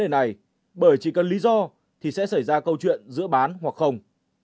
vấn đề này bởi chỉ cần lý do thì sẽ xảy ra câu chuyện giữa bán hoặc không